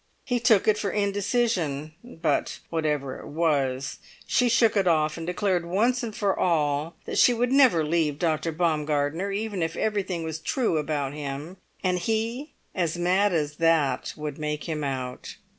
He took it for indecision; but, whatever it was, she shook it off and declared once for all that she would never leave Dr. Baumgartner, even if everything was true about him, and he as mad as that would make him out.